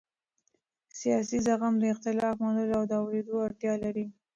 سیاسي زغم د اختلاف منلو او اورېدو ته اړتیا لري